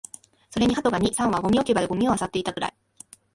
それに鳩が二、三羽、ゴミ置き場でゴミを漁っていたくらい